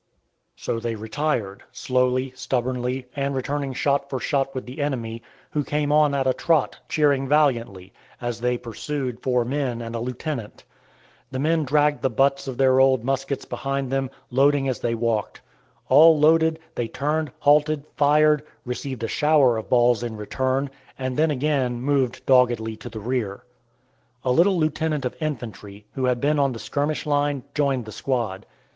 So they retired, slowly, stubbornly, and returning shot for shot with the enemy, who came on at a trot, cheering valiantly, as they pursued four men and a lieutenant. The men dragged the butts of their old muskets behind them, loading as they walked. All loaded, they turned, halted, fired, received a shower of balls in return, and then again moved doggedly to the rear. A little lieutenant of infantry, who had been on the skirmish line, joined the squad.